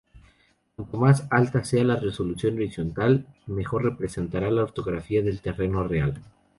Cuanto más alta sea la resolución horizontal, mejor representará la orografía del terreno real.